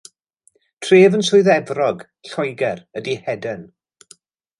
Tref yn Swydd Efrog, Lloegr ydy Hedon.